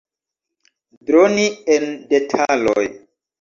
Droni en detaloj.